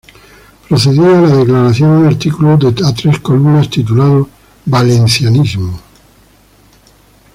Precedía a la Declaración un artículo a tres columnas titulado "Valencianismo".